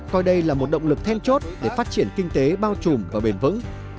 coi đây là một động lực then chốt để phát triển kinh tế bao trùm và bền vững